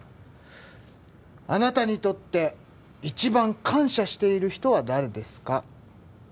「あなたにとって一番感謝している人は誰ですか？」